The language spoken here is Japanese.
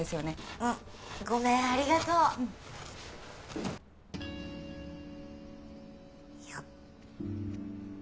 うんごめんありがとうよッ